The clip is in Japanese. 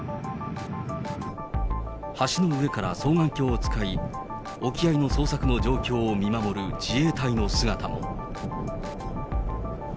橋の上から双眼鏡を使い、沖合の捜索の状況を見守る自衛隊の姿も。